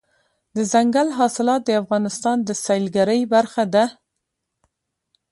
دځنګل حاصلات د افغانستان د سیلګرۍ برخه ده.